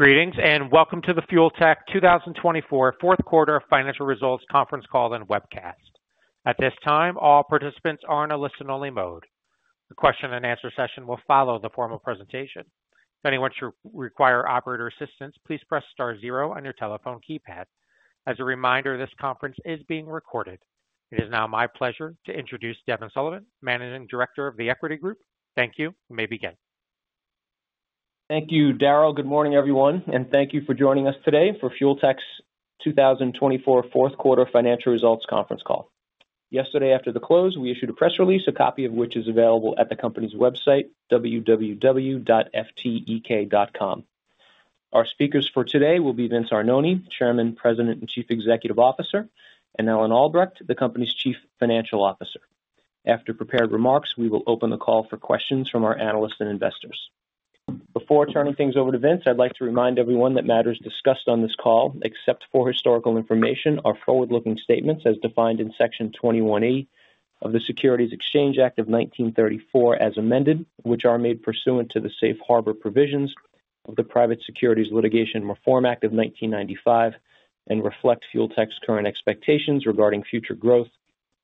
Greetings and welcome to the Fuel Tech 2024 fourth quarter financial results conference call and webcast. At this time, all participants are in a listen-only mode. The question-and-answer session will follow the formal presentation. If anyone should require operator assistance, please press star zero on your telephone keypad. As a reminder, this conference is being recorded. It is now my pleasure to introduce Devin Sullivan, Managing Director of The Equity Group. Thank you, you may begin. Thank you, Daryl. Good morning, everyone, and thank you for joining us today for Fuel Tech's 2024 fourth quarter financial results conference call. Yesterday, after the close, we issued a press release, a copy of which is available at the company's website, www.ftek.com. Our speakers for today will be Vince Arnone, Chairman, President, and Chief Executive Officer, and Ellen Albrecht, the company's Chief Financial Officer. After prepared remarks, we will open the call for questions from our analysts and investors. Before turning things over to Vince, I'd like to remind everyone that matters discussed on this call, except for historical information, are forward-looking statements as defined in Section 21E of the Securities Exchange Act of 1934 as amended, which are made pursuant to the safe harbor provisions of the Private Securities Litigation Reform Act of 1995 and reflect Fuel Tech's current expectations regarding future growth,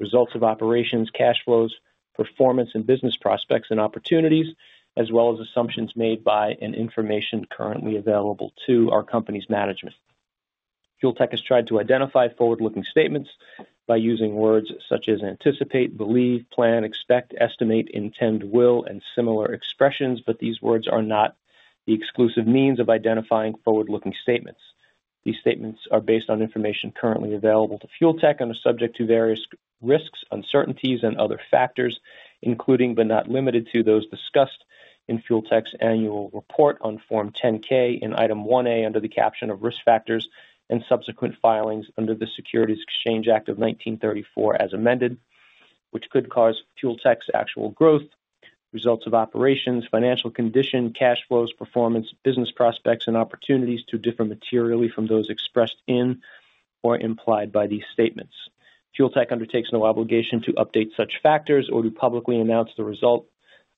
results of operations, cash flows, performance, and business prospects and opportunities, as well as assumptions made by and information currently available to our company's management. Fuel Tech has tried to identify forward-looking statements by using words such as anticipate, believe, plan, expect, estimate, intend, will, and similar expressions, but these words are not the exclusive means of identifying forward-looking statements. These statements are based on information currently available to Fuel Tech and are subject to various risks, uncertainties, and other factors, including but not limited to those discussed in Fuel Tech's annual report on Form 10-K in Item 1A under the caption of Risk Factors and subsequent filings under the Securities Exchange Act of 1934 as amended, which could cause Fuel Tech's actual growth, results of operations, financial condition, cash flows, performance, business prospects, and opportunities to differ materially from those expressed in or implied by these statements. Fuel Tech undertakes no obligation to update such factors or to publicly announce the result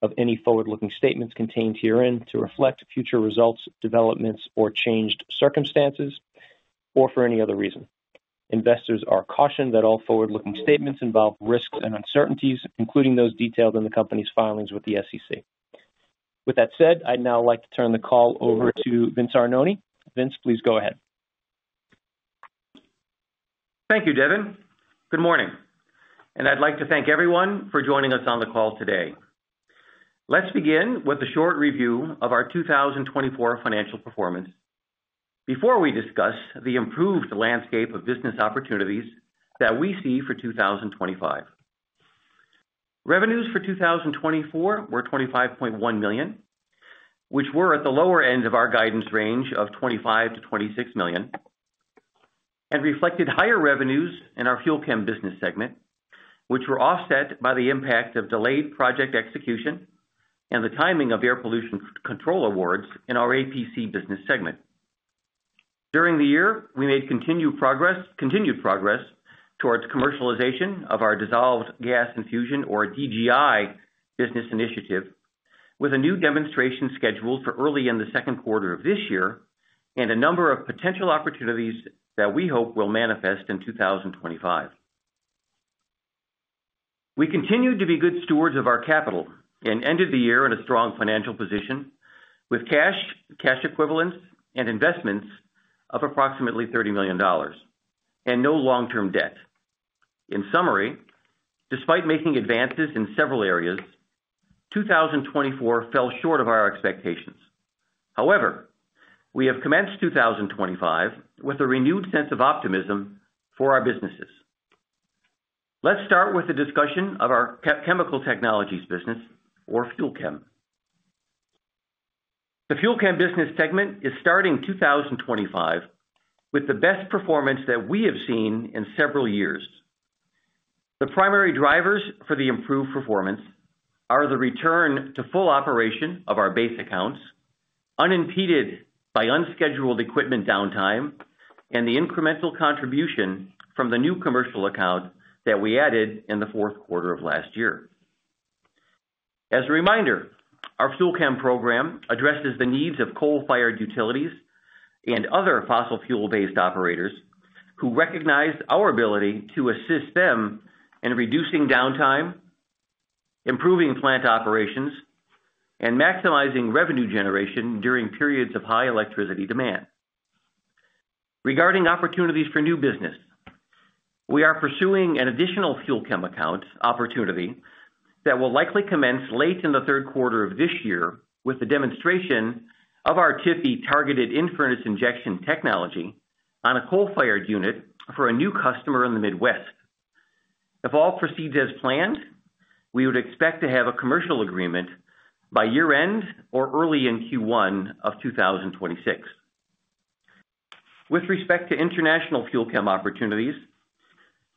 of any forward-looking statements contained herein to reflect future results, developments, or changed circumstances, or for any other reason. Investors are cautioned that all forward-looking statements involve risks and uncertainties, including those detailed in the company's filings with the SEC. With that said, I'd now like to turn the call over to Vince Arnone. Vince, please go ahead. Thank you, Devin. Good morning, and I'd like to thank everyone for joining us on the call today. Let's begin with a short review of our 2024 financial performance before we discuss the improved landscape of business opportunities that we see for 2025. Revenues for 2024 were $25.1 million, which were at the lower end of our guidance range of $25 million-$26 million, and reflected higher revenues in our FUEL CHEM business segment, which were offset by the impact of delayed project execution and the timing of air pollution control awards in our APC business segment. During the year, we made continued progress towards commercialization of our Dissolved Gas Infusion, or DGI, business initiative, with a new demonstration scheduled for early in the second quarter of this year and a number of potential opportunities that we hope will manifest in 2025. We continued to be good stewards of our capital and ended the year in a strong financial position with cash equivalents and investments of approximately $30 million and no long-term debt. In summary, despite making advances in several areas, 2024 fell short of our expectations. However, we have commenced 2025 with a renewed sense of optimism for our businesses. Let's start with the discussion of our Chemical Technologies business, or FUEL CHEM. The FUEL CHEM business segment is starting 2025 with the best performance that we have seen in several years. The primary drivers for the improved performance are the return to full operation of our base accounts, unimpeded by unscheduled equipment downtime, and the incremental contribution from the new commercial account that we added in the fourth quarter of last year. As a reminder, our FUEL CHEM program addresses the needs of coal-fired utilities and other fossil fuel-based operators who recognize our ability to assist them in reducing downtime, improving plant operations, and maximizing revenue generation during periods of high electricity demand. Regarding opportunities for new business, we are pursuing an additional FUEL CHEM account opportunity that will likely commence late in the third quarter of this year with the demonstration of our TIFI Targeted In-Furnace Injection technology on a coal-fired unit for a new customer in the Midwest. If all proceeds as planned, we would expect to have a commercial agreement by year-end or early in Q1 of 2026. With respect to international FUEL CHEM opportunities,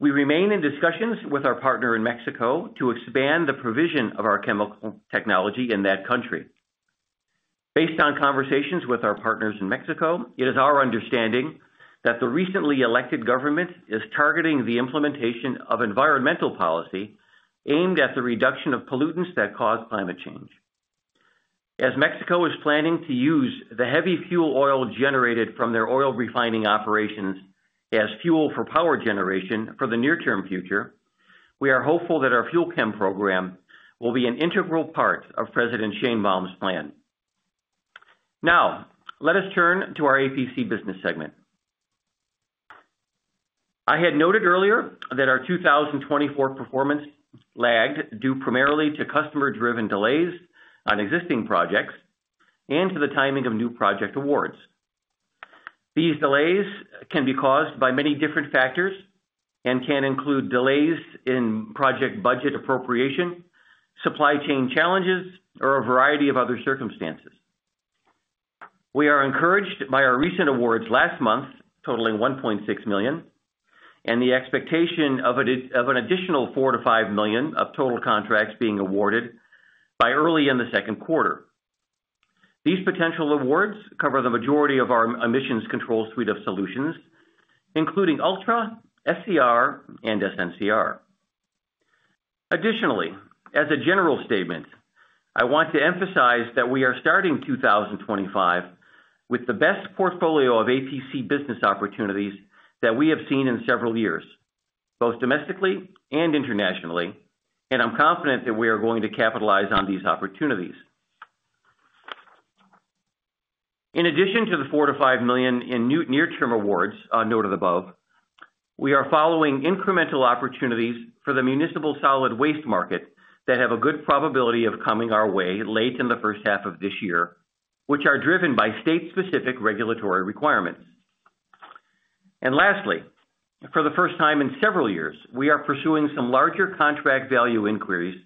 we remain in discussions with our partner in Mexico to expand the provision of our chemical technology in that country. Based on conversations with our partners in Mexico, it is our understanding that the recently elected government is targeting the implementation of environmental policy aimed at the reduction of pollutants that cause climate change. As Mexico is planning to use the heavy fuel oil generated from their oil refining operations as fuel for power generation for the near-term future, we are hopeful that our FUEL CHEM program will be an integral part of President Sheinbaum's plan. Now, let us turn to our APC business segment. I had noted earlier that our 2024 performance lagged due primarily to customer-driven delays on existing projects and to the timing of new project awards. These delays can be caused by many different factors and can include delays in project budget appropriation, supply chain challenges, or a variety of other circumstances. We are encouraged by our recent awards last month, totaling $1.6 million, and the expectation of an additional $4 million-$5 million of total contracts being awarded by early in the second quarter. These potential awards cover the majority of our emissions control suite of solutions, including ULTRA, SCR, and SNCR. Additionally, as a general statement, I want to emphasize that we are starting 2025 with the best portfolio of APC business opportunities that we have seen in several years, both domestically and internationally, and I'm confident that we are going to capitalize on these opportunities. In addition to the $4 million-$5 million in near-term awards noted above, we are following incremental opportunities for the municipal solid waste market that have a good probability of coming our way late in the first half of this year, which are driven by state-specific regulatory requirements. Lastly, for the first time in several years, we are pursuing some larger contract value inquiries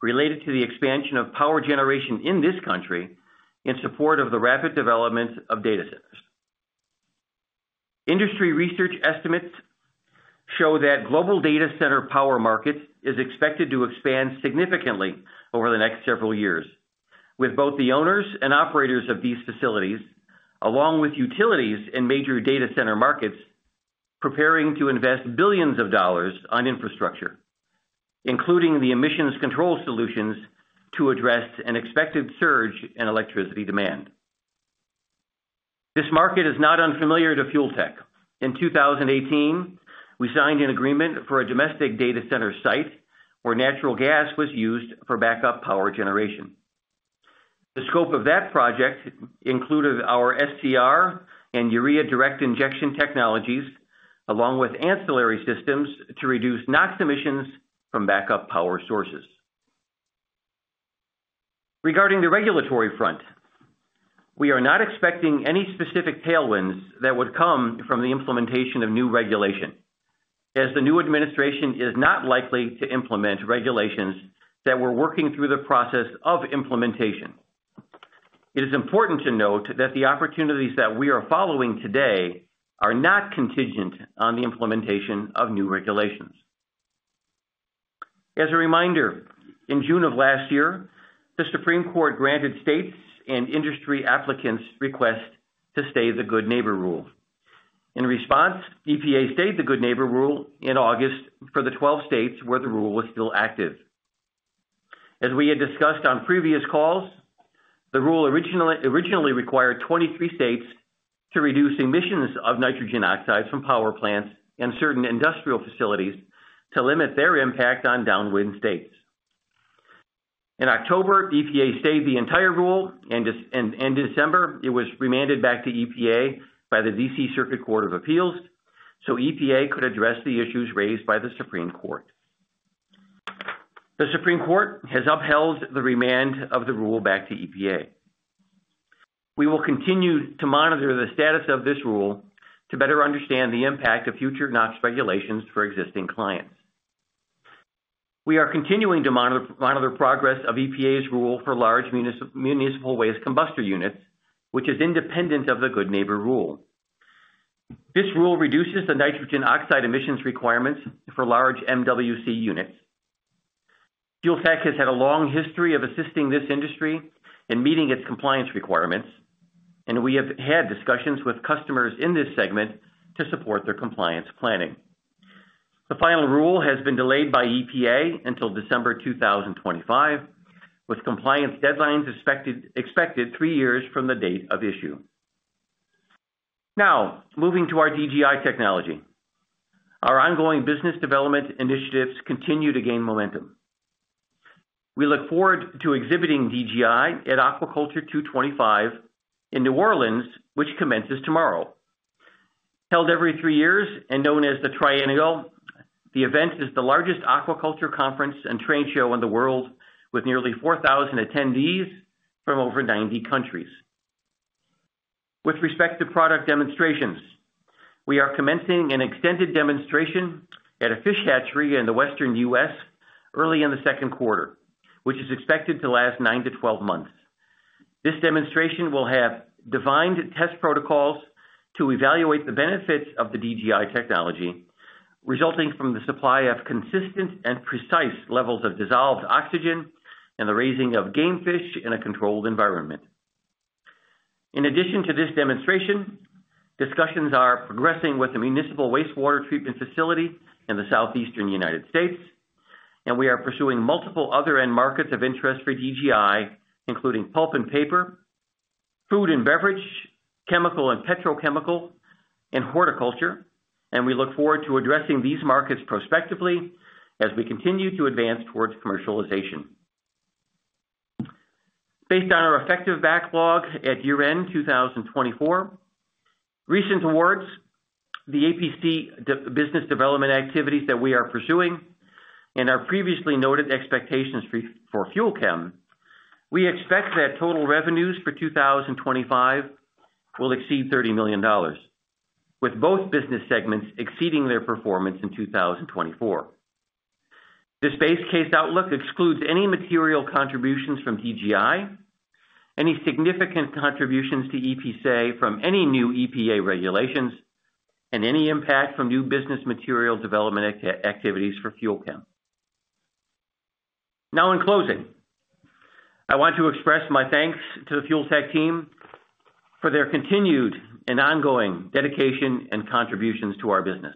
related to the expansion of power generation in this country in support of the rapid development of data centers. Industry research estimates show that global data center power markets are expected to expand significantly over the next several years, with both the owners and operators of these facilities, along with utilities and major data center markets, preparing to invest billions of dollars on infrastructure, including the emissions control solutions to address an expected surge in electricity demand. This market is not unfamiliar to Fuel Tech. In 2018, we signed an agreement for a domestic data center site where natural gas was used for backup power generation. The scope of that project included our SCR and Urea Direct Injection technologies, along with ancillary systems to reduce NOx emissions from backup power sources. Regarding the regulatory front, we are not expecting any specific tailwinds that would come from the implementation of new regulation, as the new administration is not likely to implement regulations that were working through the process of implementation. It is important to note that the opportunities that we are following today are not contingent on the implementation of new regulations. As a reminder, in June of last year, the Supreme Court granted states and industry applicants' request to stay the Good Neighbor Rule. In response, the EPA stayed the Good Neighbor Rule in August for the 12 states where the rule was still active. As we had discussed on previous calls, the rule originally required 23 states to reduce emissions of nitrogen oxides from power plants and certain industrial facilities to limit their impact on downwind states. In October, the EPA stayed the entire rule, and in December, it was remanded back to EPA by the D.C. Circuit Court of Appeals so EPA could address the issues raised by the Supreme Court. The Supreme Court has upheld the remand of the rule back to EPA. We will continue to monitor the status of this rule to better understand the impact of future NOx regulations for existing clients. We are continuing to monitor progress of EPA's rule for large municipal waste combustion units, which is independent of the Good Neighbor Rule. This rule reduces the nitrogen oxide emissions requirements for large MWC units. Fuel Tech has had a long history of assisting this industry in meeting its compliance requirements, and we have had discussions with customers in this segment to support their compliance planning. The final rule has been delayed by EPA until December 2025, with compliance deadlines expected three years from the date of issue. Now, moving to our DGI technology, our ongoing business development initiatives continue to gain momentum. We look forward to exhibiting DGI at Aquaculture 2025 in New Orleans, which commences tomorrow. Held every three years and known as the Triennial, the event is the largest aquaculture conference and trade show in the world, with nearly 4,000 attendees from over 90 countries. With respect to product demonstrations, we are commencing an extended demonstration at a fish hatchery in the Western United States early in the second quarter, which is expected to last 9-12 months. This demonstration will have defined test protocols to evaluate the benefits of the DGI technology resulting from the supply of consistent and precise levels of dissolved oxygen and the raising of game fish in a controlled environment. In addition to this demonstration, discussions are progressing with the municipal wastewater treatment facility in the Southeastern United States, and we are pursuing multiple other end markets of interest for DGI, including pulp and paper, food and beverage, chemical and petrochemical, and horticulture, and we look forward to addressing these markets prospectively as we continue to advance towards commercialization. Based on our effective backlog at year-end 2024, recent awards, the APC business development activities that we are pursuing, and our previously noted expectations for FUEL CHEM, we expect that total revenues for 2025 will exceed $30 million, with both business segments exceeding their performance in 2024. This base case outlook excludes any material contributions from DGI, any significant contributions to APC from any new EPA regulations, and any impact from new business material development activities for FUEL CHEM. Now, in closing, I want to express my thanks to the Fuel Tech team for their continued and ongoing dedication and contributions to our business.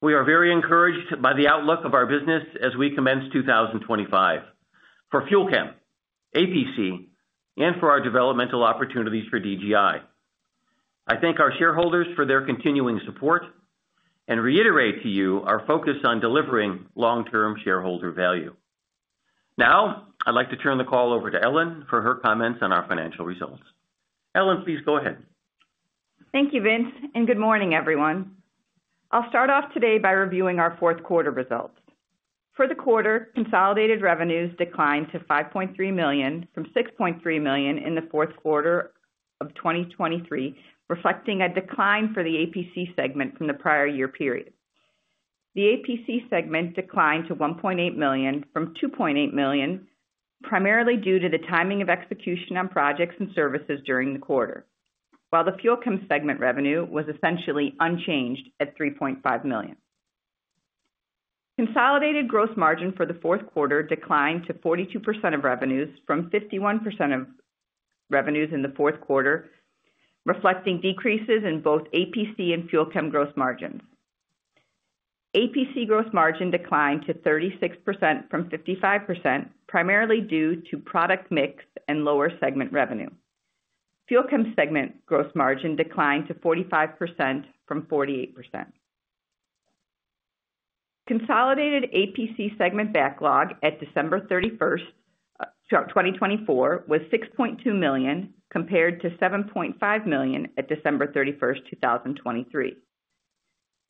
We are very encouraged by the outlook of our business as we commence 2025 for FUEL CHEM, APC, and for our developmental opportunities for DGI. I thank our shareholders for their continuing support and reiterate to you our focus on delivering long-term shareholder value. Now, I'd like to turn the call over to Ellen for her comments on our financial results. Ellen, please go ahead. Thank you, Vince, and good morning, everyone. I'll start off today by reviewing our fourth quarter results. For the quarter, consolidated revenues declined to $5.3 million from $6.3 million in the fourth quarter of 2023, reflecting a decline for the APC segment from the prior year period. The APC segment declined to $1.8 million from $2.8 million, primarily due to the timing of execution on projects and services during the quarter, while the FUEL CHEM segment revenue was essentially unchanged at $3.5 million. Consolidated gross margin for the fourth quarter declined to 42% of revenues from 51% of revenues in the fourth quarter, reflecting decreases in both APC and FUEL CHEM gross margins. APC gross margin declined to 36% from 55%, primarily due to product mix and lower segment revenue. FUEL CHEM segment gross margin declined to 45% from 48%. Consolidated APC segment backlog at December 31st, 2024, was $6.2 million, compared to $7.5 million at December 31st, 2023.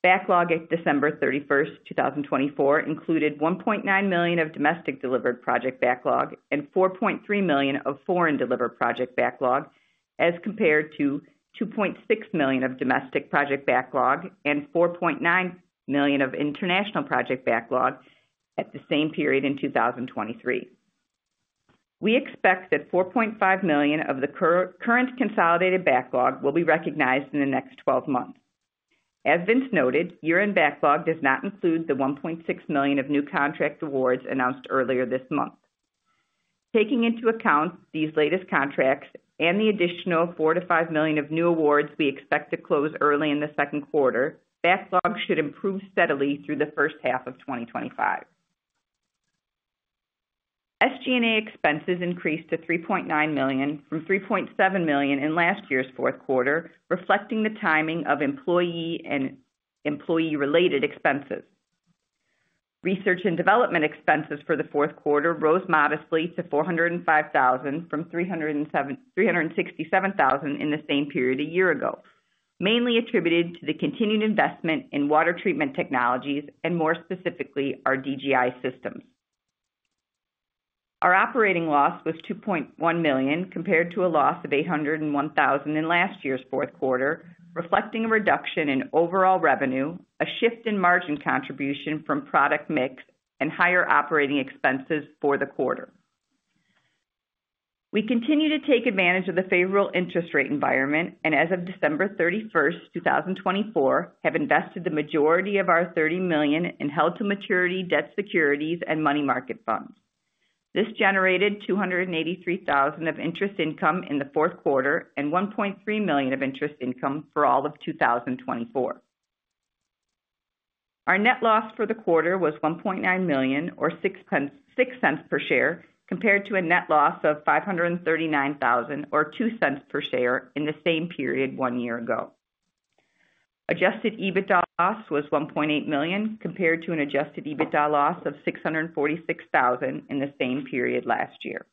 Backlog at December 31st, 2024, included $1.9 million of domestic delivered project backlog and $4.3 million of foreign delivered project backlog, as compared to $2.6 million of domestic project backlog and $4.9 million of international project backlog at the same period in 2023. We expect that $4.5 million of the current consolidated backlog will be recognized in the next 12 months. As Vince noted, year-end backlog does not include the $1.6 million of new contract awards announced earlier this month. Taking into account these latest contracts and the additional $4 million-$5 million of new awards we expect to close early in the second quarter, backlog should improve steadily through the first half of 2025. SG&A expenses increased to $3.9 million from $3.7 million in last year's fourth quarter, reflecting the timing of employee and employee-related expenses. Research and development expenses for the fourth quarter rose modestly to $405,000 from $367,000 in the same period a year ago, mainly attributed to the continued investment in water treatment technologies and, more specifically, our DGI systems. Our operating loss was $2.1 million, compared to a loss of $801,000 in last year's fourth quarter, reflecting a reduction in overall revenue, a shift in margin contribution from product mix, and higher operating expenses for the quarter. We continue to take advantage of the favorable interest rate environment and, as of December 31st, 2024, have invested the majority of our $30 million in held-to-maturity debt securities and money market funds. This generated $283,000 of interest income in the fourth quarter and $1.3 million of interest income for all of 2024. Our net loss for the quarter was $1.9 million, or $0.06 per share, compared to a net loss of $539,000, or $0.02 per share in the same period one year ago. Adjusted EBITDA loss was $1.8 million, compared to an adjusted EBITDA loss of $646,000 in the same period last year.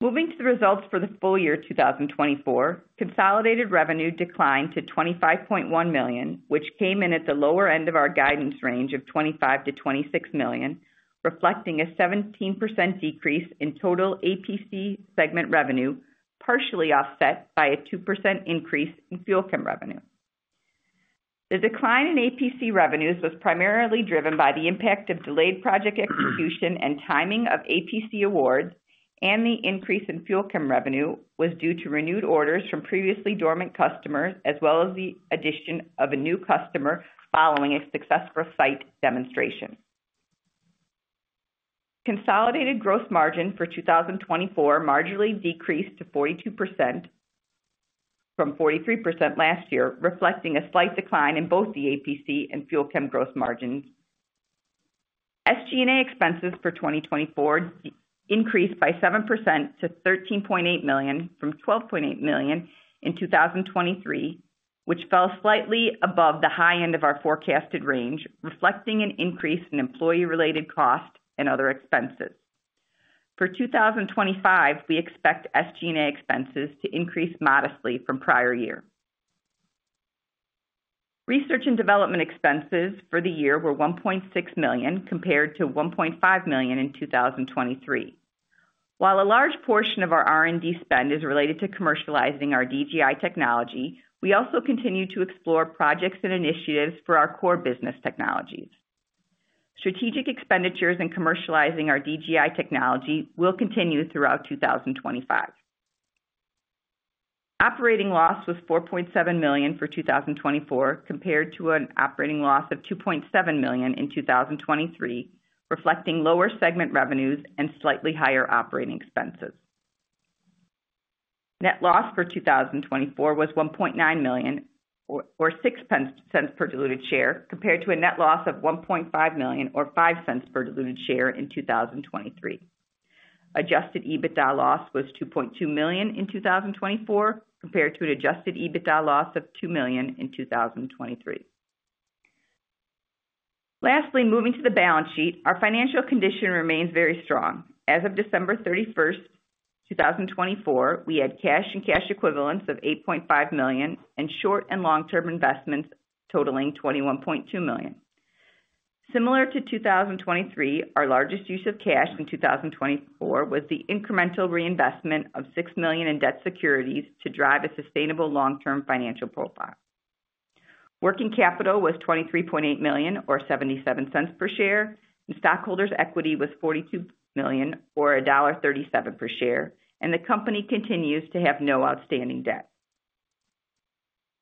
Moving to the results for the full year 2024, consolidated revenue declined to $25.1 million, which came in at the lower end of our guidance range of $25 million-$26 million, reflecting a 17% decrease in total APC segment revenue, partially offset by a 2% increase in FUEL CHEM revenue. The decline in APC revenues was primarily driven by the impact of delayed project execution and timing of APC awards, and the increase in FUEL CHEM revenue was due to renewed orders from previously dormant customers, as well as the addition of a new customer following a successful site demonstration. Consolidated gross margin for 2024 marginally decreased to 42% from 43% last year, reflecting a slight decline in both the APC and FUEL CHEM gross margins. SG&A expenses for 2024 increased by 7% to $13.8 million, from $12.8 million in 2023, which fell slightly above the high end of our forecasted range, reflecting an increase in employee-related costs and other expenses. For 2025, we expect SG&A expenses to increase modestly from prior year. Research and development expenses for the year were $1.6 million, compared to $1.5 million in 2023. While a large portion of our R&D spend is related to commercializing our DGI technology, we also continue to explore projects and initiatives for our core business technologies. Strategic expenditures in commercializing our DGI technology will continue throughout 2025. Operating loss was $4.7 million for 2024, compared to an operating loss of $2.7 million in 2023, reflecting lower segment revenues and slightly higher operating expenses. Net loss for 2024 was $1.9 million, or $0.06 per diluted share, compared to a net loss of $1.5 million, or $0.05 per diluted share in 2023. Adjusted EBITDA loss was $2.2 million in 2024, compared to an adjusted EBITDA loss of $2 million in 2023. Lastly, moving to the balance sheet, our financial condition remains very strong. As of December 31, 2024, we had cash and cash equivalents of $8.5 million and short and long-term investments totaling $21.2 million. Similar to 2023, our largest use of cash in 2024 was the incremental reinvestment of $6 million in debt securities to drive a sustainable long-term financial profile. Working capital was $23.8 million, or $0.77 per share, and stockholders' equity was $42 million, or $1.37 per share, and the company continues to have no outstanding debt.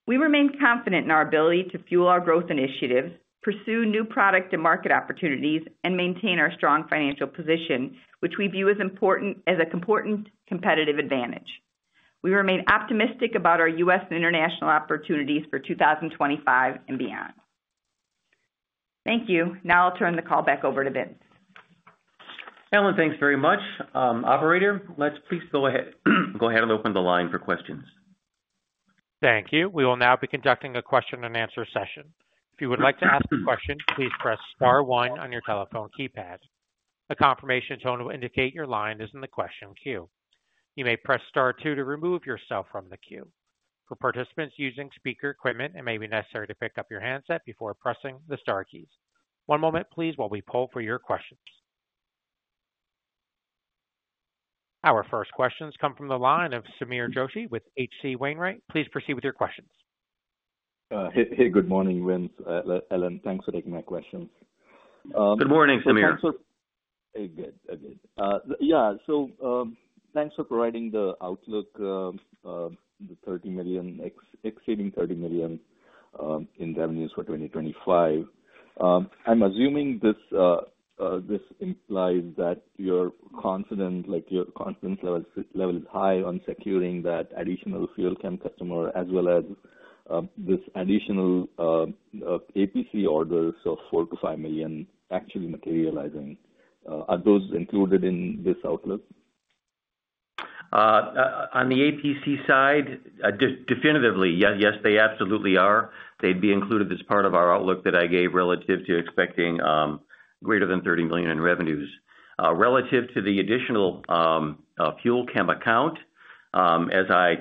We remain confident in our ability to fuel our growth initiatives, pursue new product and market opportunities, and maintain our strong financial position, which we view as an important competitive advantage. We remain optimistic about our U.S. and international opportunities for 2025 and beyond. Thank you. Now I'll turn the call back over to Vince. Ellen, thanks very much. Operator, let's please go ahead and open the line for questions. Thank you. We will now be conducting a question-and-answer session. If you would like to ask a question, please press star one on your telephone keypad. A confirmation tone will indicate your line is in the question queue. You may press star two to remove yourself from the queue. For participants using speaker equipment, it may be necessary to pick up your handset before pressing the star keys. One moment, please, while we pull for your questions. Our first questions come from the line of Sameer Joshi with H.C. Wainwright. Please proceed with your questions. Hey, good morning, Vince. Ellen, thanks for taking my questions. Good morning, Sameer. Good. Yeah, so thanks for providing the outlook, the $30 million, exceeding $30 million in revenues for 2025. I'm assuming this implies that your confidence level is high on securing that additional FUEL CHEM customer, as well as this additional APC orders of $4 million-$5 million actually materializing. Are those included in this outlook? On the APC side, definitively, yes, they absolutely are. They'd be included as part of our outlook that I gave relative to expecting greater than $30 million in revenues. Relative to the additional FUEL CHEM account, as I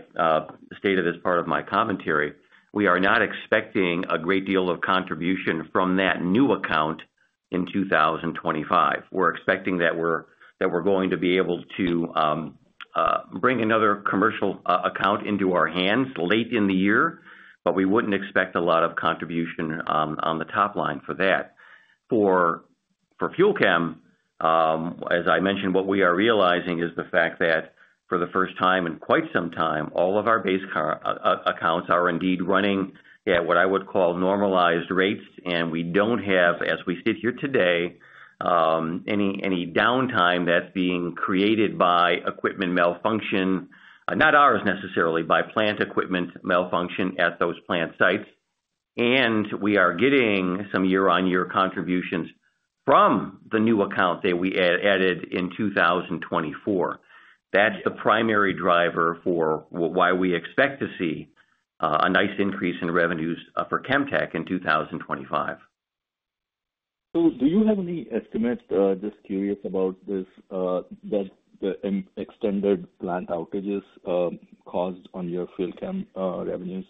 stated as part of my commentary, we are not expecting a great deal of contribution from that new account in 2025. We're expecting that we're going to be able to bring another commercial account into our hands late in the year, but we wouldn't expect a lot of contribution on the top line for that. For FUEL CHEM, as I mentioned, what we are realizing is the fact that for the first time in quite some time, all of our base accounts are indeed running at what I would call normalized rates, and we do not have, as we sit here today, any downtime that is being created by equipment malfunction, not ours necessarily, by plant equipment malfunction at those plant sites. We are getting some year-on-year contributions from the new account that we added in 2024. That is the primary driver for why we expect to see a nice increase in revenues for FUEL CHEM in 2025. Do you have any estimates? Just curious about this, that the extended plant outages caused on your FUEL CHEM revenues.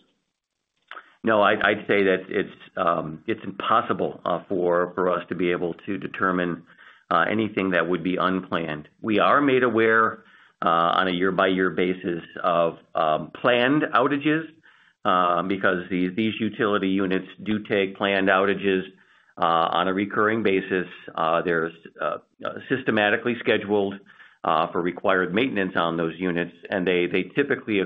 No, I'd say that it's impossible for us to be able to determine anything that would be unplanned. We are made aware on a year-by-year basis of planned outages because these utility units do take planned outages on a recurring basis. They're systematically scheduled for required maintenance on those units, and they typically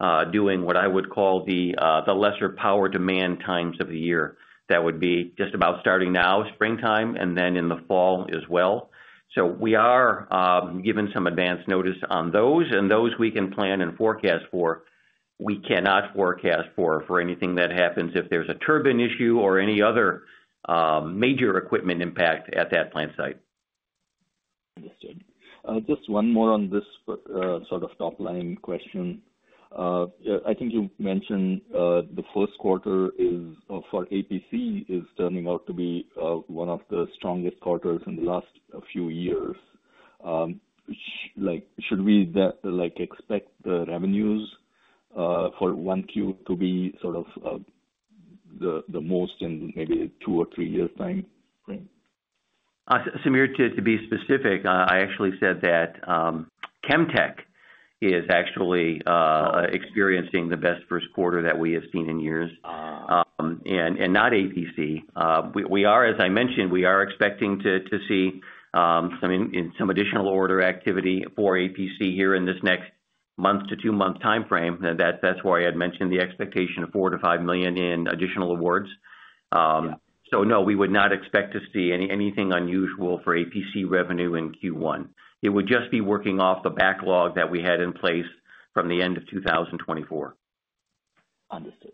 occur during what I would call the lesser power demand times of the year. That would be just about starting now, springtime, and then in the fall as well. We are given some advance notice on those, and those we can plan and forecast for. We cannot forecast for anything that happens if there's a turbine issue or any other major equipment impact at that plant site. Understood. Just one more on this sort of top line question. I think you mentioned the first quarter for APC is turning out to be one of the strongest quarters in the last few years. Should we expect the revenues for 1Q to be sort of the most in maybe two or three years' time frame? Sameer, to be specific, I actually said that ChemTech is actually experiencing the best first quarter that we have seen in years, and not APC. As I mentioned, we are expecting to see some additional order activity for APC here in this next month to two-month time frame. That is why I had mentioned the expectation of $4 million-$5 million in additional awards. No, we would not expect to see anything unusual for APC revenue in Q1. It would just be working off the backlog that we had in place from the end of 2024. Understood.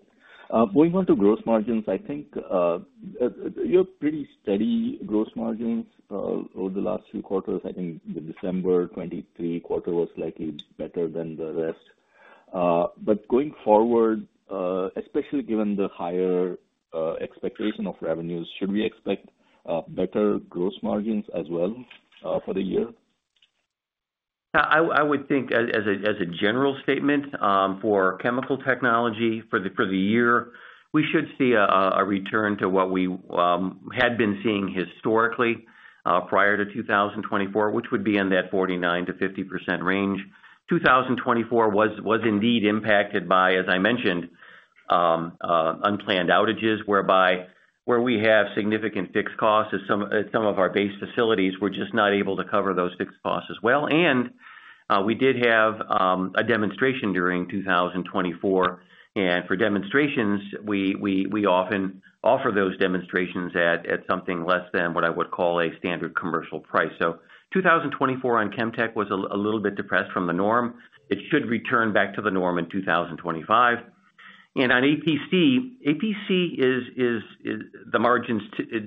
Going on to gross margins, I think you have pretty steady gross margins over the last few quarters. I think the December 2023 quarter was slightly better than the rest. Going forward, especially given the higher expectation of revenues, should we expect better gross margins as well for the year? I would think, as a general statement, for chemical technology for the year, we should see a return to what we had been seeing historically prior to 2024, which would be in that 49%-50% range. 2024 was indeed impacted by, as I mentioned, unplanned outages, whereby we have significant fixed costs at some of our base facilities. We're just not able to cover those fixed costs as well. We did have a demonstration during 2024. For demonstrations, we often offer those demonstrations at something less than what I would call a standard commercial price. 2024 on ChemTech was a little bit depressed from the norm. It should return back to the norm in 2025. On APC, APC is the margins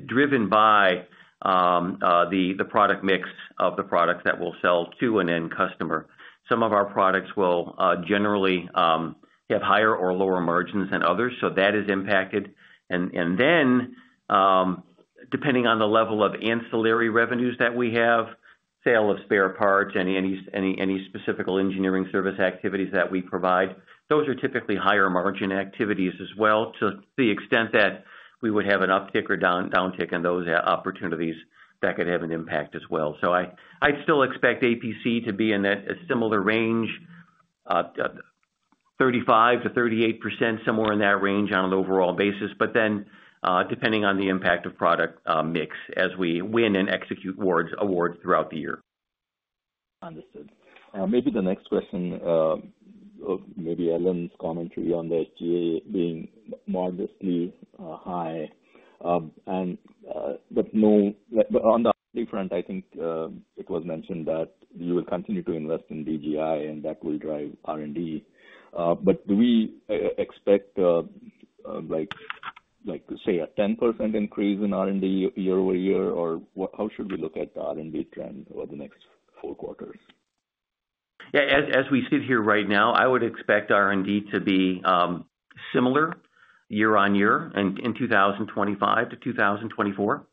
driven by the product mix of the products that we'll sell to an end customer. Some of our products will generally have higher or lower margins than others, so that is impacted. Then, depending on the level of ancillary revenues that we have, sale of spare parts, and any specific engineering service activities that we provide, those are typically higher margin activities as well. To the extent that we would have an uptick or downtick in those opportunities, that could have an impact as well. I'd still expect APC to be in a similar range, 35%-38%, somewhere in that range on an overall basis, but then depending on the impact of product mix as we win and execute awards throughout the year. Understood. Maybe the next question, maybe Ellen's commentary on the SG&A being modestly high. On the other front, I think it was mentioned that you will continue to invest in DGI, and that will drive R&D. Do we expect, say, a 10% increase in R&D year-over-year, or how should we look at the R&D trend over the next four quarters? Yeah, as we sit here right now, I would expect R&D to be similar year-on-year in 2025 to 2024.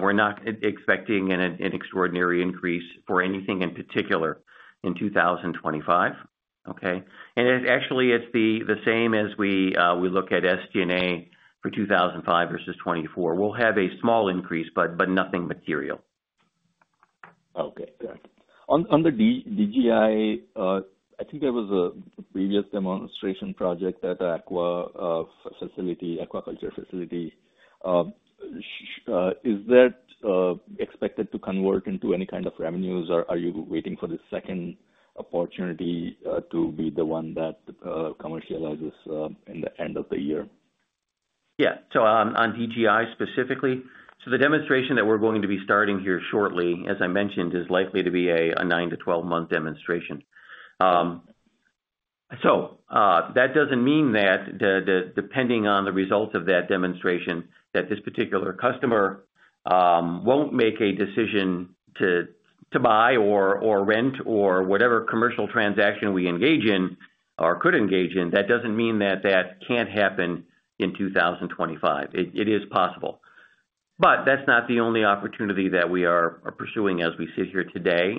We're not expecting an extraordinary increase for anything in particular in 2025. Okay? Actually, it's the same as we look at SG&A for 2025 versus 2024. We'll have a small increase, but nothing material. Okay. Got it. On the DGI, I think there was a previous demonstration project at an aquaculture facility. Is that expected to convert into any kind of revenues, or are you waiting for the second opportunity to be the one that commercializes in the end of the year? Yeah. On DGI specifically, the demonstration that we're going to be starting here shortly, as I mentioned, is likely to be a 9-12 month demonstration. That doesn't mean that, depending on the results of that demonstration, this particular customer won't make a decision to buy or rent or whatever commercial transaction we engage in or could engage in. That doesn't mean that can't happen in 2025. It is possible. That is not the only opportunity that we are pursuing as we sit here today.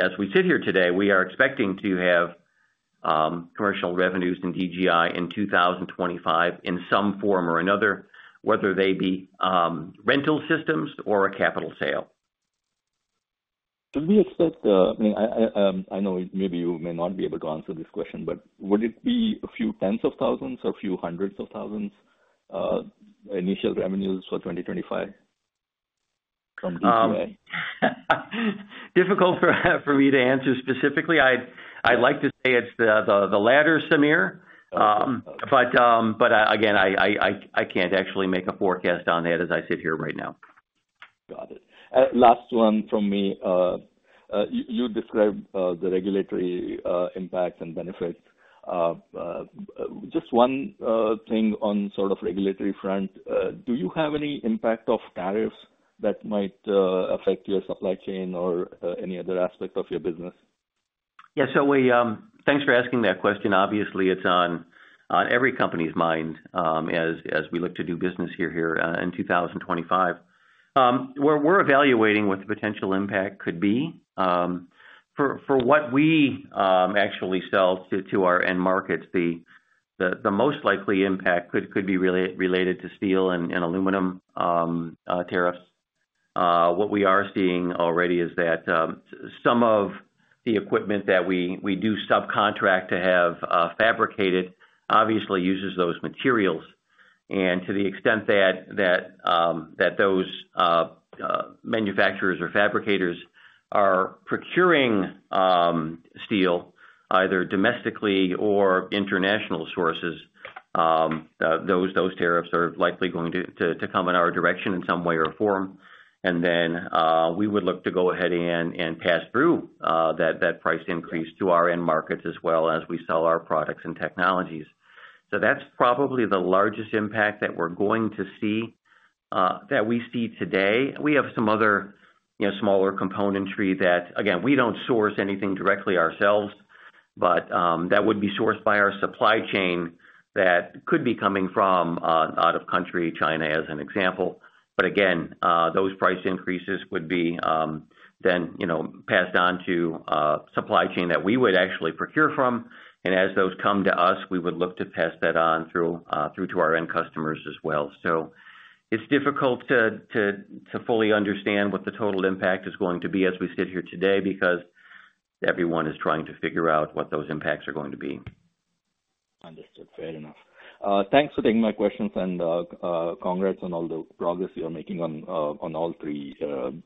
As we sit here today, we are expecting to have commercial revenues in DGI in 2025 in some form or another, whether they be rental systems or a capital sale. Do we expect the—I mean, I know maybe you may not be able to answer this question, but would it be a few tens of thousands or a few hundreds of thousands initial revenues for 2025 from DGI? Difficult for me to answer specifically. I'd like to say it's the latter, Sameer. Again, I can't actually make a forecast on that as I sit here right now. Got it. Last one from me. You described the regulatory impact and benefits. Just one thing on sort of regulatory front. Do you have any impact of tariffs that might affect your supply chain or any other aspect of your business? Yeah. Thanks for asking that question. Obviously, it's on every company's mind as we look to do business here in 2025. We're evaluating what the potential impact could be. For what we actually sell to our end markets, the most likely impact could be related to steel and aluminum tariffs. What we are seeing already is that some of the equipment that we do subcontract to have fabricated obviously uses those materials. To the extent that those manufacturers or fabricators are procuring steel, either domestically or from international sources, those tariffs are likely going to come in our direction in some way or form. We would look to go ahead and pass through that price increase to our end markets as well as we sell our products and technologies. That's probably the largest impact that we're going to see that we see today. We have some other smaller componentry that, again, we do not source anything directly ourselves, but that would be sourced by our supply chain that could be coming from out-of-country, China as an example. Those price increases would be then passed on to supply chain that we would actually procure from. As those come to us, we would look to pass that on through to our end customers as well. It is difficult to fully understand what the total impact is going to be as we sit here today because everyone is trying to figure out what those impacts are going to be. Understood. Fair enough. Thanks for taking my questions, and congrats on all the progress you are making on all three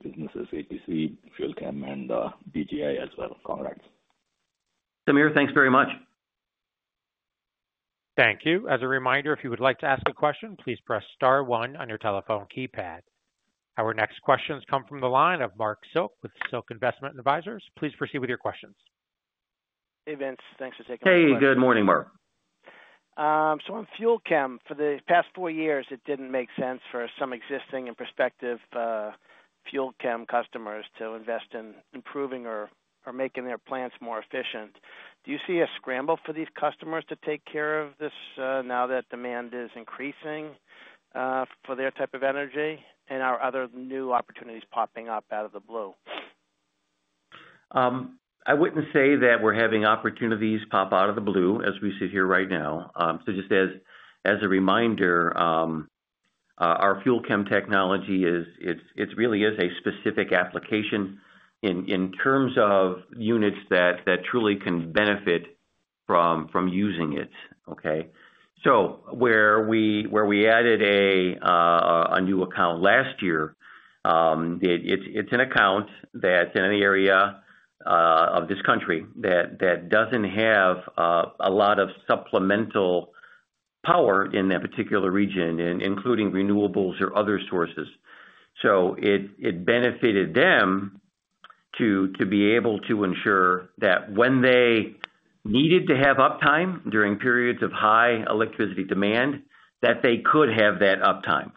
businesses: APC, FUEL CHEM, and DGI as well. Congrats. Samir, thanks very much. Thank you. As a reminder, if you would like to ask a question, please press star one on your telephone keypad. Our next questions come from the line of Marc Silk with Silk Investment Advisors. Please proceed with your questions. Hey, Vince. Thanks for taking my call. Hey. Good morning, Marc. On FUEL CHEM, for the past four years, it didn't make sense for some existing and prospective FUEL CHEM customers to invest in improving or making their plants more efficient. Do you see a scramble for these customers to take care of this now that demand is increasing for their type of energy and are other new opportunities popping up out of the blue? I wouldn't say that we're having opportunities pop out of the blue as we sit here right now. Just as a reminder, our FUEL CHEM technology, it really is a specific application in terms of units that truly can benefit from using it. Okay? Where we added a new account last year, it's an account that's in an area of this country that doesn't have a lot of supplemental power in that particular region, including renewables or other sources. It benefited them to be able to ensure that when they needed to have uptime during periods of high electricity demand, they could have that uptime.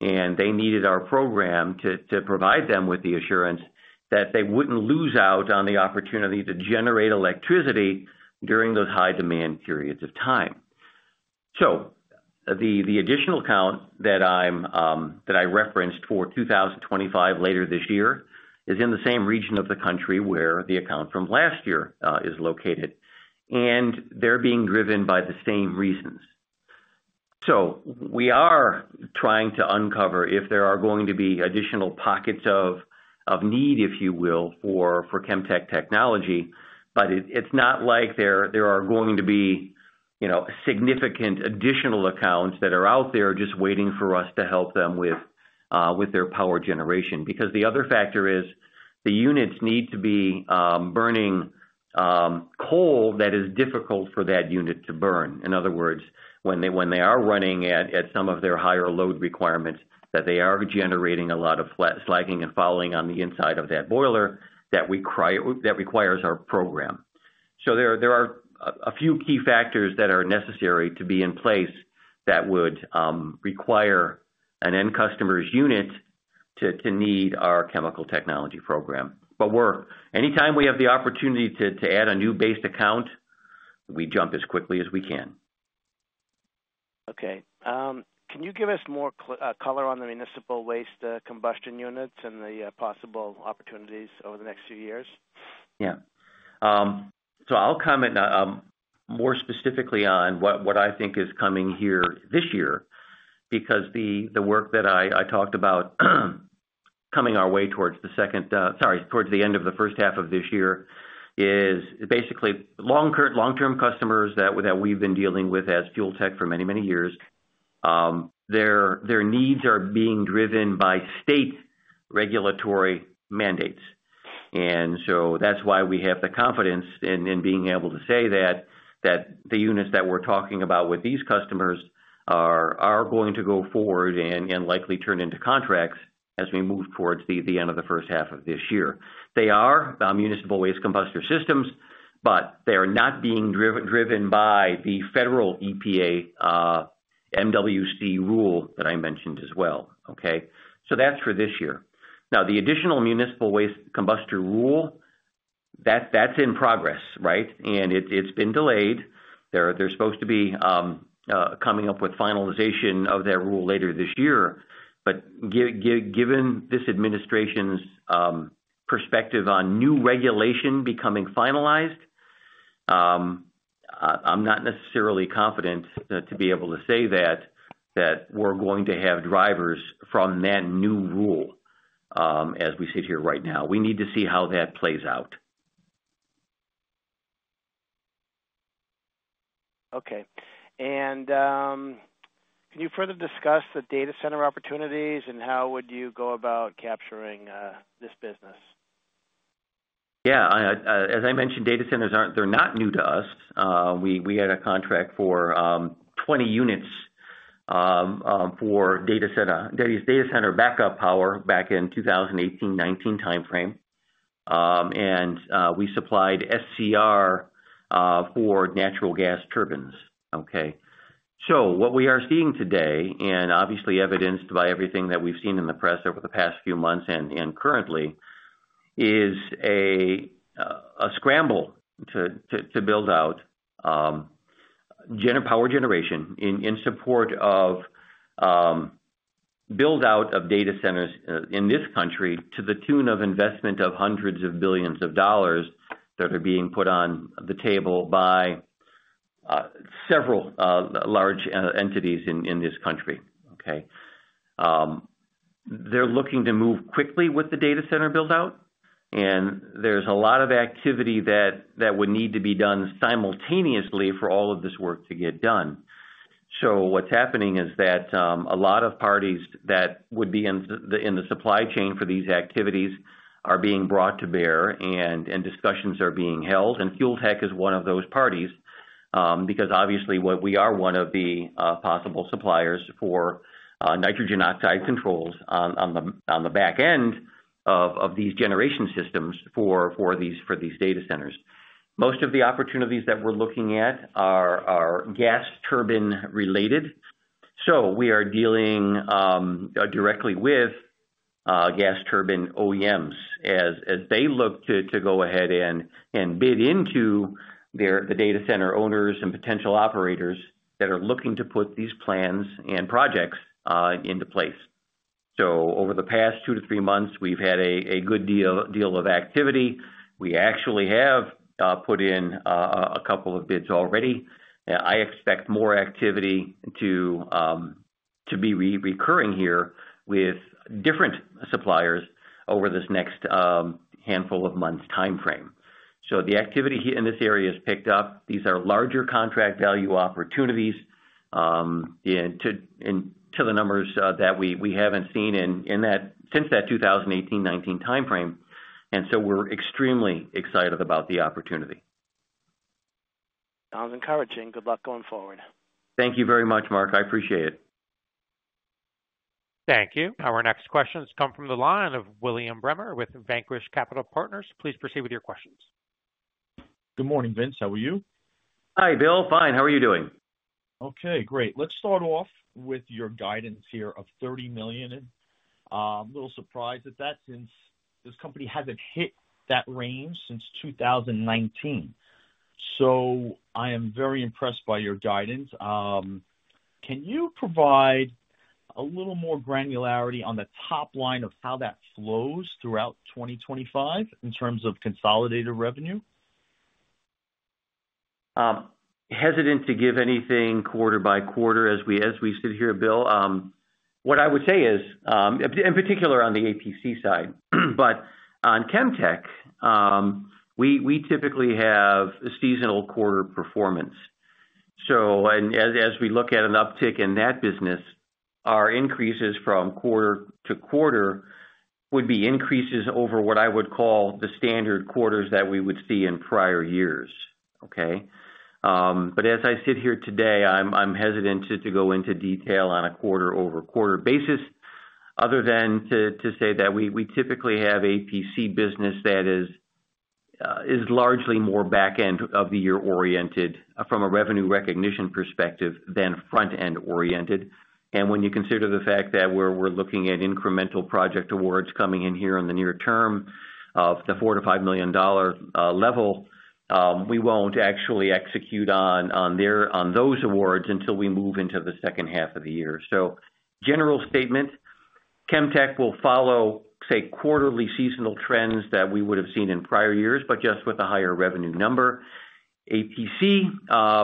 They needed our program to provide them with the assurance that they wouldn't lose out on the opportunity to generate electricity during those high-demand periods of time. The additional account that I referenced for 2025 later this year is in the same region of the country where the account from last year is located. They are being driven by the same reasons. We are trying to uncover if there are going to be additional pockets of need, if you will, for ChemTech technology. It is not like there are going to be significant additional accounts that are out there just waiting for us to help them with their power generation. The other factor is the units need to be burning coal that is difficult for that unit to burn. In other words, when they are running at some of their higher load requirements, they are generating a lot of slagging and fouling on the inside of that boiler that requires our program. There are a few key factors that are necessary to be in place that would require an end customer's unit to need our chemical technology program. Anytime we have the opportunity to add a new-based account, we jump as quickly as we can. Okay. Can you give us more color on the municipal waste combustion units and the possible opportunities over the next few years? Yeah. I'll comment more specifically on what I think is coming here this year because the work that I talked about coming our way towards the end of the first half of this year is basically long-term customers that we've been dealing with as Fuel Tech for many, many years. Their needs are being driven by state regulatory mandates. That's why we have the confidence in being able to say that the units that we're talking about with these customers are going to go forward and likely turn into contracts as we move towards the end of the first half of this year. They are municipal waste combustion systems, but they are not being driven by the federal EPA MWC rule that I mentioned as well. Okay? That's for this year. Now, the additional municipal waste combustion rule, that's in progress, right? It has been delayed. They are supposed to be coming up with finalization of that rule later this year. Given this administration's perspective on new regulation becoming finalized, I am not necessarily confident to be able to say that we are going to have drivers from that new rule as we sit here right now. We need to see how that plays out. Okay. Can you further discuss the data center opportunities, and how would you go about capturing this business? Yeah. As I mentioned, data centers, they're not new to us. We had a contract for 20 units for data center backup power back in 2018, 2019 timeframe. And we supplied SCR for natural gas turbines. Okay? What we are seeing today, and obviously evidenced by everything that we've seen in the press over the past few months and currently, is a scramble to build out power generation in support of build-out of data centers in this country to the tune of investment of hundreds of billions of dollars that are being put on the table by several large entities in this country. Okay? They're looking to move quickly with the data center build-out, and there's a lot of activity that would need to be done simultaneously for all of this work to get done. What's happening is that a lot of parties that would be in the supply chain for these activities are being brought to bear, and discussions are being held. Fuel Tech is one of those parties because, obviously, we are one of the possible suppliers for nitrogen oxide controls on the back end of these generation systems for these data centers. Most of the opportunities that we're looking at are gas turbine-related. We are dealing directly with gas turbine OEMs as they look to go ahead and bid into the data center owners and potential operators that are looking to put these plans and projects into place. Over the past two to three months, we've had a good deal of activity. We actually have put in a couple of bids already. I expect more activity to be recurring here with different suppliers over this next handful of months' timeframe. The activity in this area has picked up. These are larger contract value opportunities to the numbers that we have not seen since that 2018, 2019 timeframe. We are extremely excited about the opportunity. Sounds encouraging. Good luck going forward. Thank you very much, Marc. I appreciate it. Thank you. Our next questions come from the line of William Bremer with Vanquish Capital Partners. Please proceed with your questions. Good morning, Vince. How are you? Hi, Bill. Fine. How are you doing? Okay. Great. Let's start off with your guidance here of $30 million. A little surprised at that since this company hasn't hit that range since 2019. I am very impressed by your guidance. Can you provide a little more granularity on the top line of how that flows throughout 2025 in terms of consolidated revenue? Hesitant to give anything quarter by quarter as we sit here, Bill. What I would say is, in particular on the APC side, but on ChemTech, we typically have a seasonal quarter performance. As we look at an uptick in that business, our increases from quarter to quarter would be increases over what I would call the standard quarters that we would see in prior years. Okay? As I sit here today, I'm hesitant to go into detail on a quarter-over-quarter basis other than to say that we typically have APC business that is largely more back-end of the year oriented from a revenue recognition perspective than front-end oriented. When you consider the fact that we're looking at incremental project awards coming in here in the near term at the $4 million-$5 million level, we won't actually execute on those awards until we move into the second half of the year. General statement, ChemTech will follow, say, quarterly seasonal trends that we would have seen in prior years, but just with a higher revenue number. APC Q1,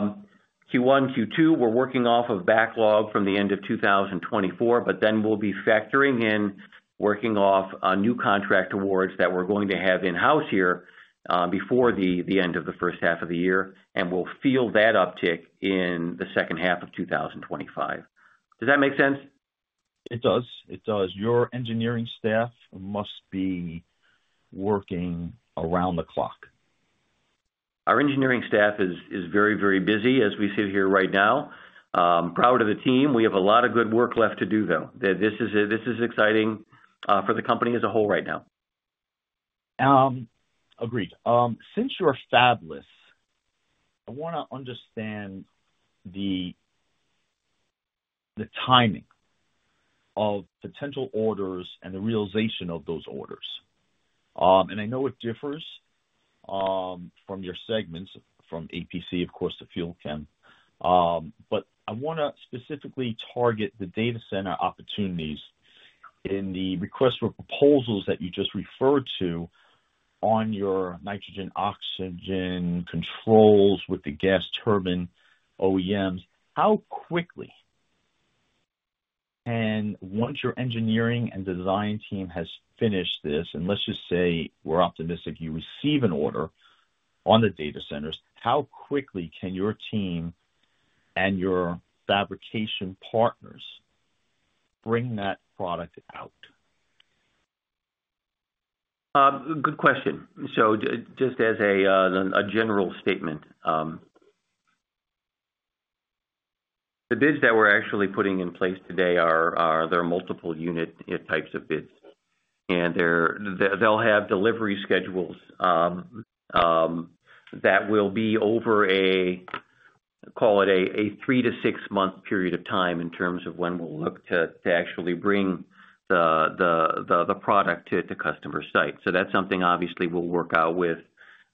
Q2, we're working off of backlog from the end of 2024, but then we'll be factoring in working off new contract awards that we're going to have in-house here before the end of the first half of the year, and we'll feel that uptick in the second half of 2025. Does that make sense? It does. It does. Your engineering staff must be working around the clock. Our engineering staff is very, very busy as we sit here right now. Proud of the team. We have a lot of good work left to do, though. This is exciting for the company as a whole right now. Agreed. Since you're fabless, I want to understand the timing of potential orders and the realization of those orders. I know it differs from your segments, from APC, of course, to FUEL CHEM, but I want to specifically target the data center opportunities in the request for proposals that you just referred to on your nitrogen oxygen controls with the gas turbine OEMs. How quickly can—once your engineering and design team has finished this, and let's just say we're optimistic you receive an order on the data centers—how quickly can your team and your fabrication partners bring that product out? Good question. Just as a general statement, the bids that we're actually putting in place today are, there are multiple unit types of bids. They will have delivery schedules that will be over a, call it, three- to six-month period of time in terms of when we'll look to actually bring the product to customer site. That is something, obviously, we'll work out with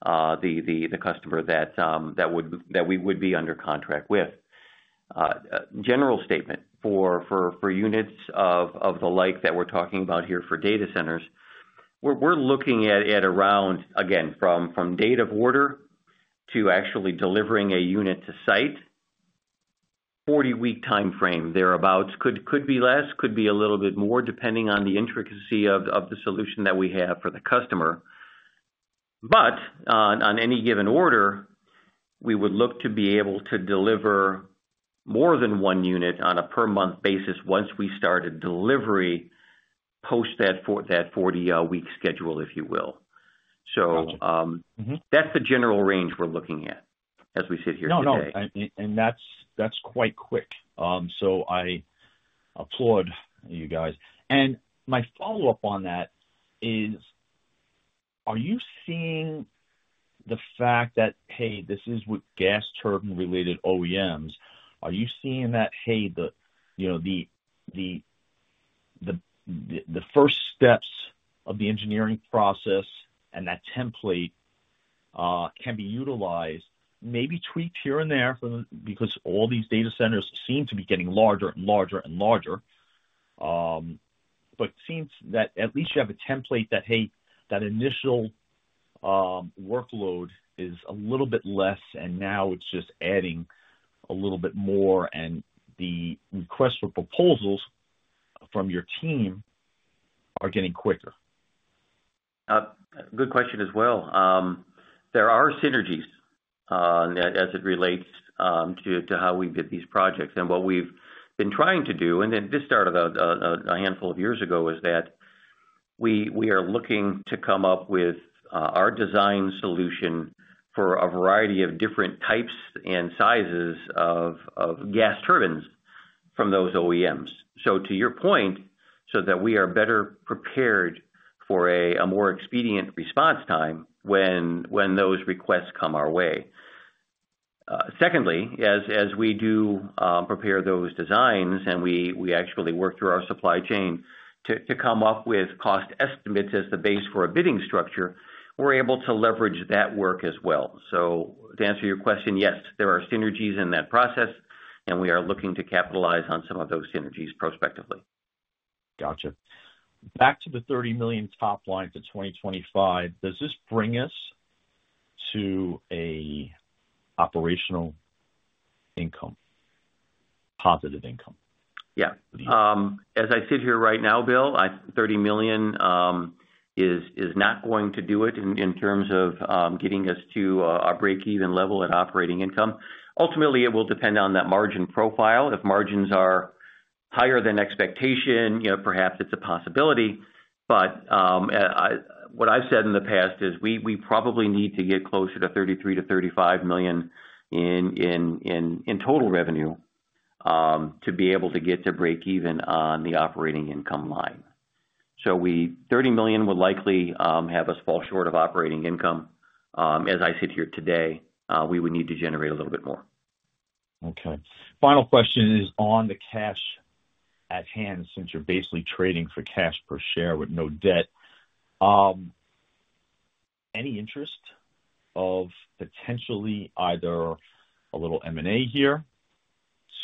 the customer that we would be under contract with. General statement for units of the like that we're talking about here for data centers, we're looking at around, again, from date of order to actually delivering a unit to site, 40-week timeframe thereabouts. Could be less, could be a little bit more depending on the intricacy of the solution that we have for the customer. On any given order, we would look to be able to deliver more than one unit on a per-month basis once we started delivery post that 40-week schedule, if you will. That is the general range we are looking at as we sit here today. No, no. That's quite quick. I applaud you guys. My follow-up on that is, are you seeing the fact that, "Hey, this is with gas turbine-related OEMs"? Are you seeing that, "Hey, the first steps of the engineering process and that template can be utilized, maybe tweaked here and there because all these data centers seem to be getting larger and larger and larger"? It seems that at least you have a template that, "Hey, that initial workload is a little bit less, and now it's just adding a little bit more, and the request for proposals from your team are getting quicker. Good question as well. There are synergies as it relates to how we bid these projects and what we've been trying to do. This started a handful of years ago. We are looking to come up with our design solution for a variety of different types and sizes of gas turbines from those OEMs. To your point, we are better prepared for a more expedient response time when those requests come our way. Secondly, as we do prepare those designs and we actually work through our supply chain to come up with cost estimates as the base for a bidding structure, we're able to leverage that work as well. To answer your question, yes, there are synergies in that process, and we are looking to capitalize on some of those synergies prospectively. Gotcha. Back to the $30 million top-line for 2025, does this bring us to an operational income, positive income? Yeah. As I sit here right now, Bill, $30 million is not going to do it in terms of getting us to our break-even level at operating income. Ultimately, it will depend on that margin profile. If margins are higher than expectation, perhaps it's a possibility. What I've said in the past is we probably need to get closer to $33 million-$35 million in total revenue to be able to get to break-even on the operating income line. $30 million would likely have us fall short of operating income. As I sit here today, we would need to generate a little bit more. Okay. Final question is on the cash at hand since you're basically trading for cash per share with no debt. Any interest of potentially either a little M&A here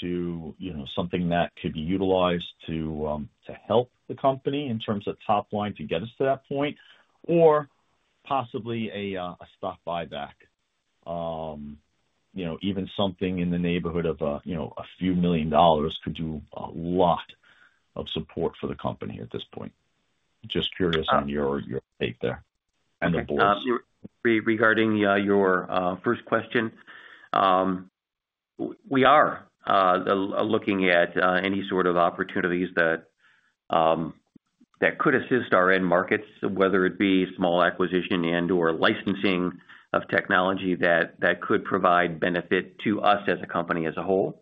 to something that could be utilized to help the company in terms of top line to get us to that point, or possibly a stock buyback? Even something in the neighborhood of a few million dollars could do a lot of support for the company at this point. Just curious on your take there and the board's. Regarding your first question, we are looking at any sort of opportunities that could assist our end markets, whether it be small acquisition and/or licensing of technology that could provide benefit to us as a company as a whole.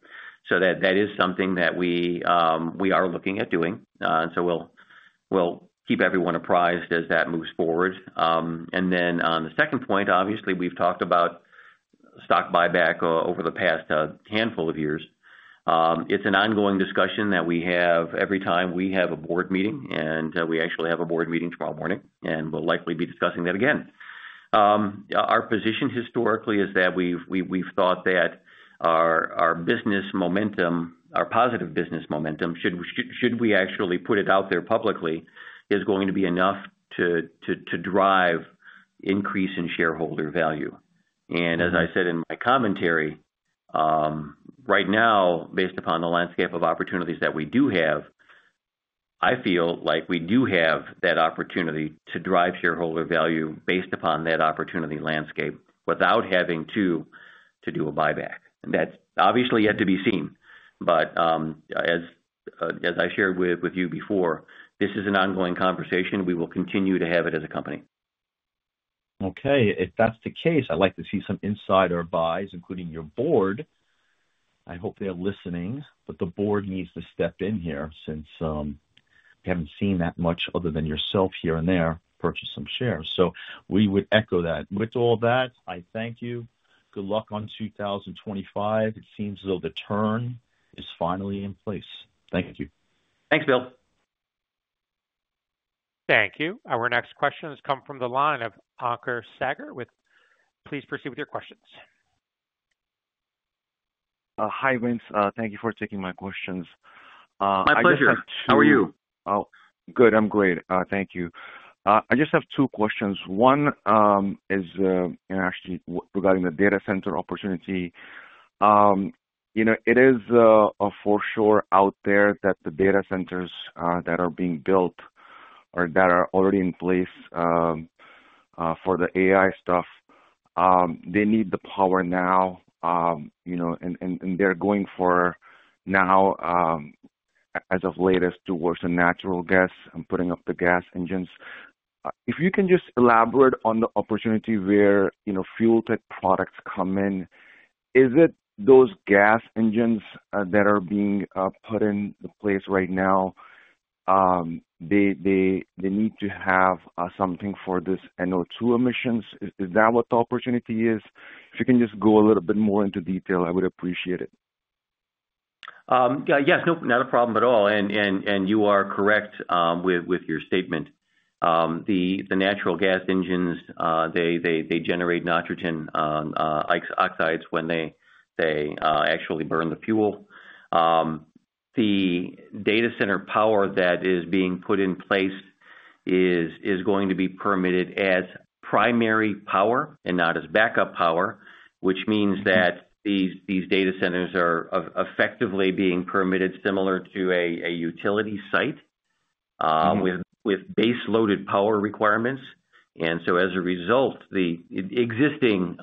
That is something that we are looking at doing. We'll keep everyone apprised as that moves forward. On the second point, obviously, we've talked about stock buyback over the past handful of years. It's an ongoing discussion that we have every time we have a board meeting, and we actually have a board meeting tomorrow morning, and we'll likely be discussing that again. Our position historically is that we've thought that our business momentum, our positive business momentum, should we actually put it out there publicly, is going to be enough to drive increase in shareholder value. As I said in my commentary, right now, based upon the landscape of opportunities that we do have, I feel like we do have that opportunity to drive shareholder value based upon that opportunity landscape without having to do a buyback. That is obviously yet to be seen. As I shared with you before, this is an ongoing conversation. We will continue to have it as a company. Okay. If that's the case, I'd like to see some insider buys, including your board. I hope they're listening, but the board needs to step in here since we haven't seen that much other than yourself here and there purchase some shares. We would echo that. With all that, I thank you. Good luck on 2025. It seems as though the turn is finally in place. Thank you. Thanks, Bill. Thank you. Our next question has come from the line of Ankur Sagar. Please proceed with your questions. Hi, Vince. Thank you for taking my questions. My pleasure. How are you? Oh, good. I'm great. Thank you. I just have two questions. One is actually regarding the data center opportunity. It is for sure out there that the data centers that are being built or that are already in place for the AI stuff, they need the power now. They're going for now, as of latest, towards the natural gas and putting up the gas engines. If you can just elaborate on the opportunity where Fuel Tech products come in, is it those gas engines that are being put in place right now? They need to have something for this NOx emissions. Is that what the opportunity is? If you can just go a little bit more into detail, I would appreciate it. Yes. Not a problem at all. You are correct with your statement. The natural gas engines, they generate nitrogen oxides when they actually burn the fuel. The data center power that is being put in place is going to be permitted as primary power and not as backup power, which means that these data centers are effectively being permitted similar to a utility site with base-loaded power requirements. As a result, the existing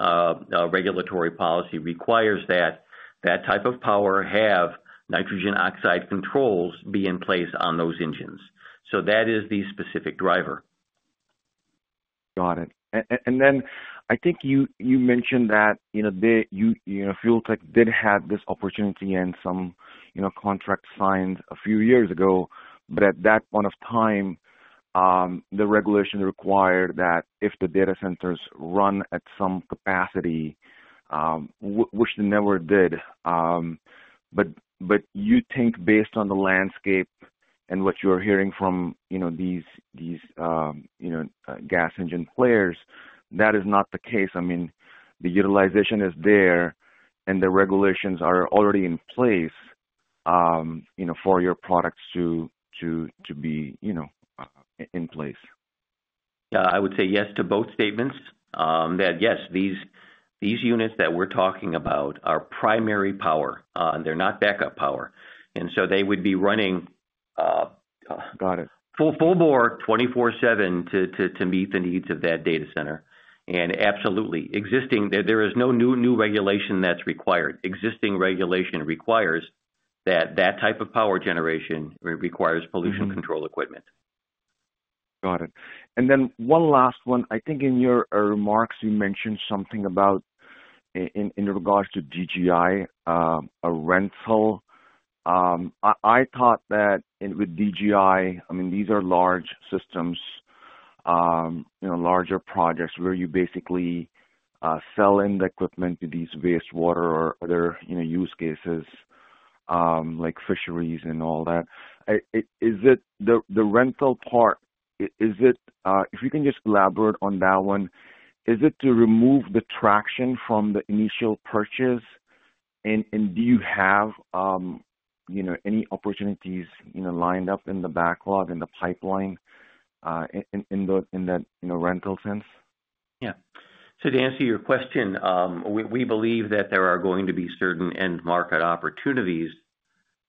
regulatory policy requires that that type of power have nitrogen oxide controls be in place on those engines. That is the specific driver. Got it. I think you mentioned that Fuel Tech did have this opportunity and some contract signed a few years ago, but at that point of time, the regulation required that if the data centers run at some capacity, which they never did. I mean, the utilization is there and the regulations are already in place for your products to be in place. Yeah. I would say yes to both statements. That yes, these units that we're talking about are primary power. They're not backup power. They would be running full bore 24/7 to meet the needs of that data center. Absolutely, there is no new regulation that's required. Existing regulation requires that that type of power generation requires pollution control equipment. Got it. One last one. I think in your remarks, you mentioned something about in regards to DGI, a rental. I thought that with DGI, I mean, these are large systems, larger projects where you basically sell in the equipment to these wastewater or other use cases like fisheries and all that. The rental part, if you can just elaborate on that one, is it to remove the traction from the initial purchase? Do you have any opportunities lined up in the backlog, in the pipeline, in that rental sense? Yeah. To answer your question, we believe that there are going to be certain end market opportunities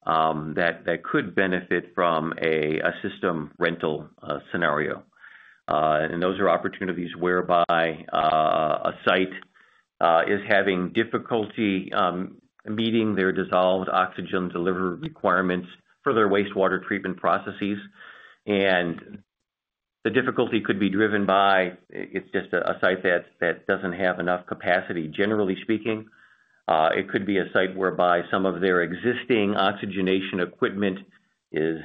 that could benefit from a system rental scenario. Those are opportunities whereby a site is having difficulty meeting their dissolved oxygen delivery requirements for their wastewater treatment processes. The difficulty could be driven by it's just a site that doesn't have enough capacity, generally speaking. It could be a site whereby some of their existing oxygenation equipment is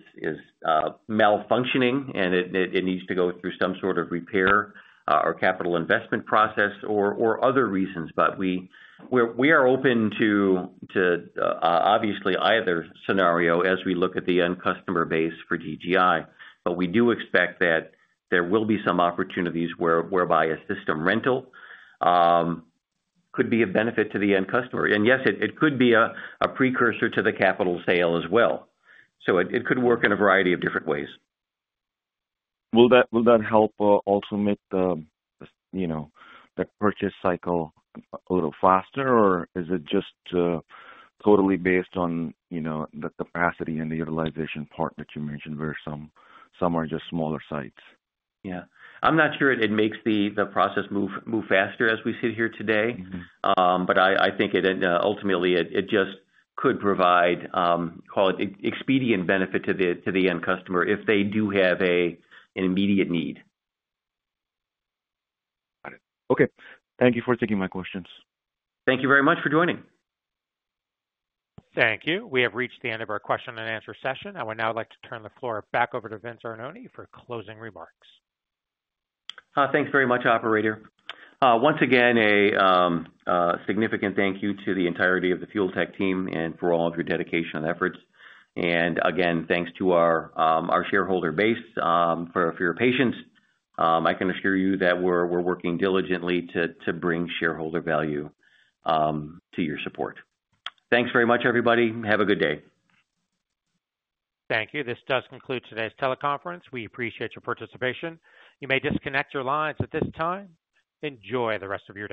malfunctioning, and it needs to go through some sort of repair or capital investment process or other reasons. We are open to, obviously, either scenario as we look at the end customer base for DGI. We do expect that there will be some opportunities whereby a system rental could be a benefit to the end customer. Yes, it could be a precursor to the capital sale as well. It could work in a variety of different ways. Will that help also make the purchase cycle a little faster, or is it just totally based on the capacity and the utilization part that you mentioned where some are just smaller sites? Yeah. I'm not sure it makes the process move faster as we sit here today, but I think ultimately it just could provide, call it, expedient benefit to the end customer if they do have an immediate need. Got it. Okay. Thank you for taking my questions. Thank you very much for joining. Thank you. We have reached the end of our question-and-answer session. I would now like to turn the floor back over to Vince Arnone for closing remarks. Thanks very much, operator. Once again, a significant thank you to the entirety of the Fuel Tech team and for all of your dedication and efforts. Again, thanks to our shareholder base for your patience. I can assure you that we're working diligently to bring shareholder value to your support. Thanks very much, everybody. Have a good day. Thank you. This does conclude today's teleconference. We appreciate your participation. You may disconnect your lines at this time. Enjoy the rest of your day.